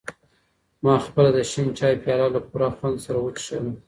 ما خپله د شین چای پیاله له پوره خوند سره وڅښله.